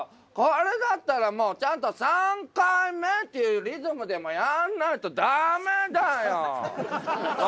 これだったらもうちゃんと３回目っていうリズムでもやんないと駄目だよ。